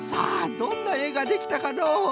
どんなえができたかのう？